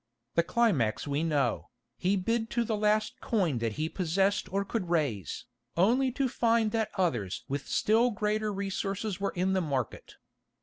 The climax we know. He bid to the last coin that he possessed or could raise, only to find that others with still greater resources were in the market.